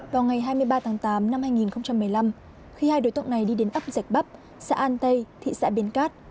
vào ngày hai mươi ba tháng tám năm hai nghìn một mươi năm khi hai đối tượng này đi đến ấp dạch bắp xã an tây thị xã bến cát